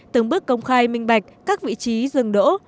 từng bước công khai minh bạch các vị trí dừng đỗ